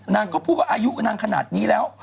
นางก็พูดว่าอายุนางขนาดนี้แล้ว